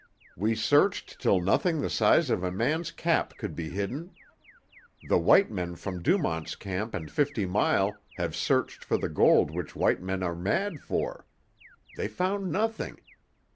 We searched till nothing the size of a man's cap could be hidden. The white men from Dumont's Camp and Fifty Mile have searched for the gold which white men are mad for. They found nothing.